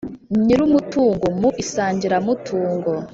Nyir umutungo mu isangiramutungo